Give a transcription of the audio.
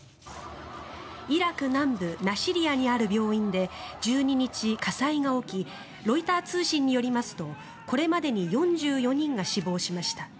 イラク南部ナシリヤにある病院で１２日、火災が起きロイター通信によりますとこれまでに４４人が死亡しました。